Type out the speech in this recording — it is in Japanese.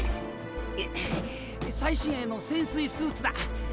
最新鋭の潜水スーツだ。